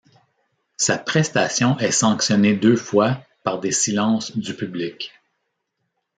Sa prestation est sanctionnée deux fois par des silences du public.